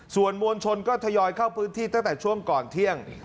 ส่วนมวลชนก็ทยอยเข้าพื้นที่ตั้งแต่ช่วงก่อนเที่ยง